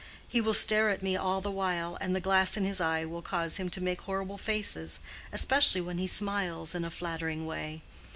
He will stare at me all the while, and the glass in his eye will cause him to make horrible faces, especially when he smiles in a flattering way.